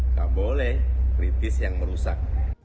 nggak boleh kritis yang merusak